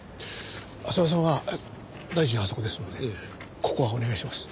浅輪さんは大臣はあそこですのでここはお願いします。